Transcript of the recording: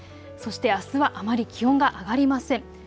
そしてあすはあまり気温が上がりません。